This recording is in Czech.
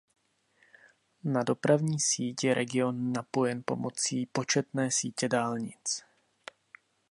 Na dopravní síť je region napojen pomocí početné sítě dálnic.